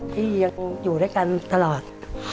ที่ยังอยู่ด้วยกันตลอด